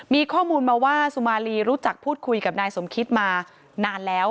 มีข้อมูลมาว่าสุมารีรู้จักพูดคุยกับนายสมคิดมานานแล้ว